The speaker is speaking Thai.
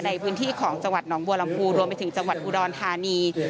ในพื้นที่ของจังหวัดหนองบัวลำพูรวมไปถึงจังหวัดอุดรธานี